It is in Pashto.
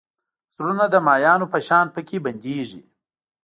زړونه د ماهیانو په شان پکې بندېږي.